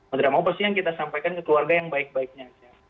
mau tidak mau pasti yang kita sampaikan ke keluarga yang baik baiknya aja